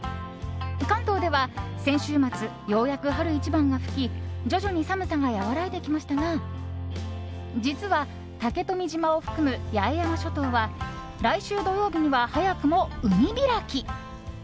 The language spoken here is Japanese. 関東では先週末ようやく春一番が吹き徐々に寒さが和らいできましたが実は竹富島を含む八重山諸島は来週土曜日には早くも海開き。